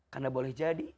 karena boleh jadi